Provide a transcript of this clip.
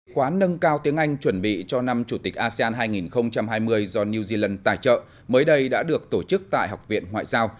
quán nâng cao tiếng anh chuẩn bị cho năm chủ tịch asean hai nghìn hai mươi do new zealand tài trợ mới đây đã được tổ chức tại học viện ngoại giao